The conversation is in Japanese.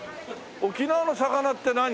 沖縄の魚って何？